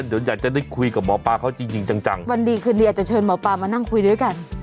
เดี๋ยวอยากจะได้คุยกับหมอปลาเขาจริงจริงจังจังวันดีคืนดีอาจจะเชิญหมอปลามานั่งคุยด้วยกัน